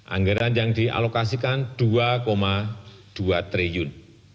anggaran yang dialokasikan rp dua dua triliun